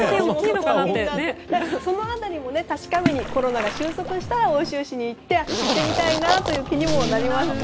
その辺りも確かめにコロナが収束したら奥州市に行って握手してみたいなという気にもなりますね。